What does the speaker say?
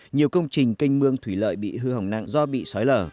nhiều công trình kênh mương thủy lợi bị hư hỏng nặng do bị xói lở